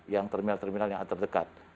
yang terminal terminal yang terdekat